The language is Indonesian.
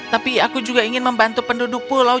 tapi aku juga ingin membantu penduduk pulau